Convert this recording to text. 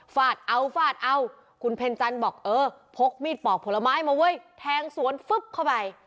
ฟาดเอาฟาดเอาคุณเพ็ญจันทร์บอกเออพกมีดปอกผลไม้มาเว้ยแทงสวนฟึ๊บเข้าไป